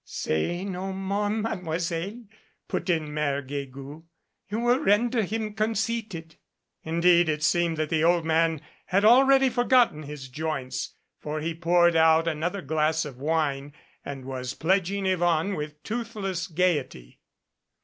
"Say no more, Mademoiselle," put in Mere Guegou, "You will render him conceited." Indeed it seemed that the old man had already forgot ten his joints, for he poured out another glass of wine and was pledging Yvonne with toothless gayety.